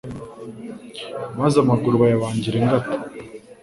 maze amaguru bayabangira ingata